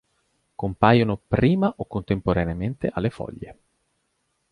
Compaiono prima o contemporaneamente alle foglie.